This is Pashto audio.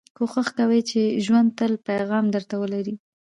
کوښښ کوئ، چي ژوند تل پیغام در ته ولري.